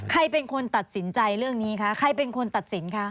ใครเป็นคนตัดสินใจเรื่องนี้คะใครเป็นคนตัดสินคะ